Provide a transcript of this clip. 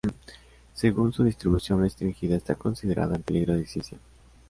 Según su distribución restringida está considerada en peligro de extinción.